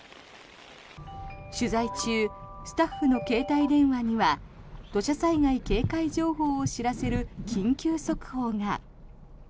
取材中スタッフの携帯電話には土砂災害警戒情報を知らせる緊急速報が。